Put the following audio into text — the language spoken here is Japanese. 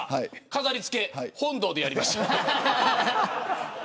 飾り付け、本堂でやりました。